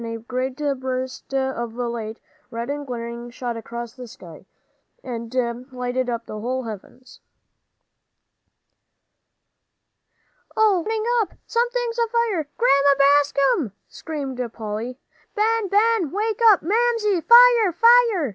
A great burst of light, red and glaring, shot across the sky, and lighted up the whole heavens. "Oh, we're burning up! Something's afire! Grandma Bascom!" screamed Polly. "Ben Ben wake up! Mamsie! Fire fire!"